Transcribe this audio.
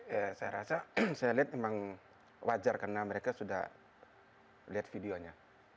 ya saya rasa saya lihat memang wajar karena mereka sudah lihat videonya